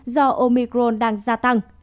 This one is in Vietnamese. do omicron đang gia tăng